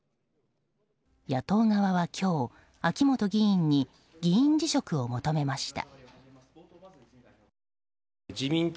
野党側は今日、秋本議員に議員辞職を求めました。